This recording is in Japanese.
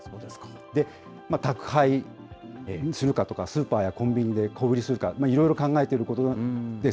宅配にするかとか、スーパーやコンビニで小売りするか、いろいろ考えているところです。